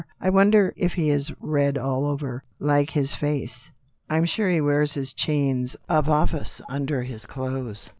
I wonder if he is red all over, like his face ? Fm sure he wears his chains of office under his clothes.